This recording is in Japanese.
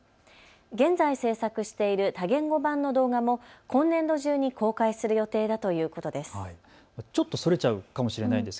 現在制作している多言語版の動画も今年度中に公開する予定だということです。